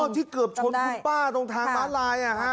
ที่เกือบชนคุณป้าตรงทางม้าลาย